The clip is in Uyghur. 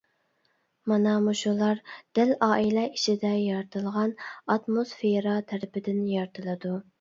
مانا مۇشۇلار دەل ئائىلە ئىچىدە يارىتىلغان ئاتموسفېرا تەرىپىدىن يارىتىلىدۇ.